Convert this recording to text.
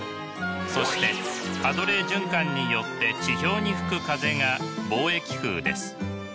そしてハドレー循環によって地表に吹く風が貿易風です。